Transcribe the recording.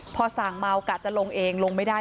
พอสั่งเมากะจะลงเองลงไม่ได้